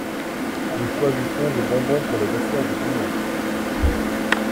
Nous choisissions des bonbons pour le dessert du dimanche.